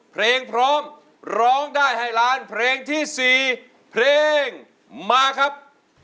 เพลงพร้อมร้องได้ให้ล้านเพลงที่๔เพลงมาครับ